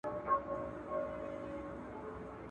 له رام رام څخه تښتېدم، پر کام کام واوښتم.